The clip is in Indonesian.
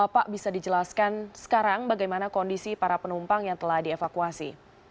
pak bisa dijelaskan sekarang bagaimana kondisi para penumpang yang telah dievakuasi